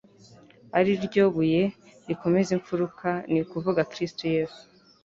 ariryo Buye rikomeza imfuruka, ni ukuvuga Kristo Yesu.